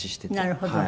なるほど。